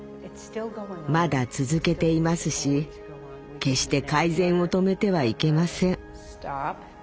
まだ続けていますし決して改善を止めてはいけません。